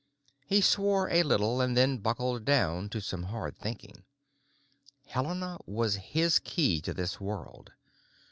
He swore a little, and then buckled down to some hard thinking. Helena was his key to this world.